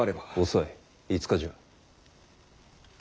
遅い５日じゃ。